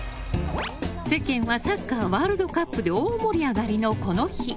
世間はサッカーワールドカップで大盛り上がりのこの日。